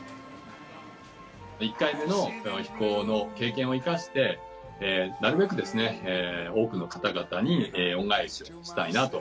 １回目の飛行の経験を生かして、なるべくですね、多くの方々に恩返しをしたいなと。